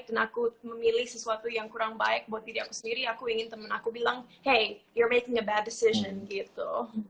dan aku memilih sesuatu yang kurang baik buat diri aku sendiri aku ingin temen aku bilang hey you're making a bad decision gitu